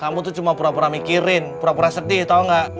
kamu tuh cuma pura pura mikirin pura pura sedih tau gak